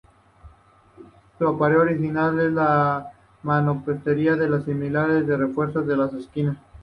Su aparejo original es de mampostería con sillares que refuerzan las esquinas.